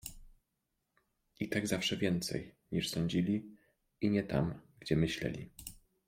I tak zawsze; więcej, niż sądzili, i nie tam, gdzie myśleli.